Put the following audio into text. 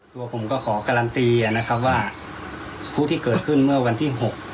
ตัวผมก็ขอการันตีนะครับว่าผู้ที่เกิดขึ้นเมื่อวันที่๖